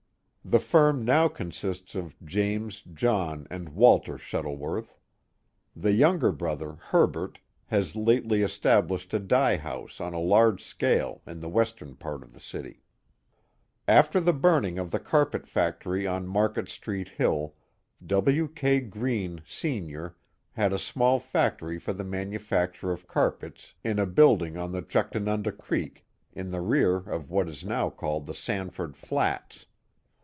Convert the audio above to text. The firm now consists of James, John, and Walter Shuttleworth. The younger brother, Herbert, has lately established a dye house on a large scale in the western part of the city. After the burning of the carpet factory on Market Street hill, W. K. Greene, Senior, had a small factory for the manu facture of carpets in a building on the juchtanunda Creek in the rear of what is now called the Sanford flats.